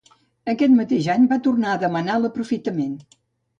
Aquest mateix any va tornar a demanar l'aprofitament.